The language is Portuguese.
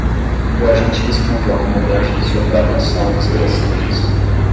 O agente responde ao comandante de sua própria ação e de seus assistentes.